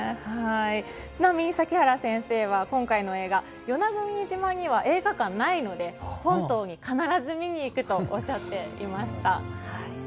ちなみに崎原先生は今回の映画与那国島には映画館がないので本島に必ず見に行くとおっしゃっていました。